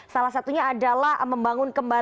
salah satunya adalah membangun kembali